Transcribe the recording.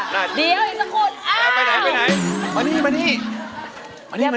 น้อยดูลายมอนมานี่ก่อน